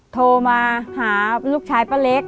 โทรมาหาลูกชายป้าเล็ก